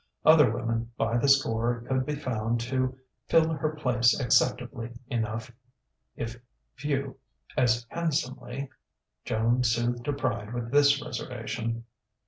Other women by the score could be found to fill her place acceptably enough, if few as handsomely (Joan soothed her pride with this reservation).